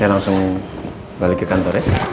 saya langsung balik ke kantor ya